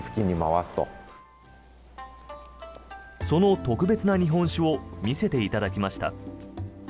その特別な日本酒を見せていただきました。